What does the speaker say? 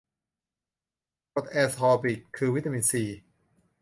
กรดแอสคอบิก คือวิตามินซี